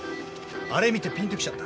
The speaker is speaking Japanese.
あれ見てピンときちゃった。